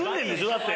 だって。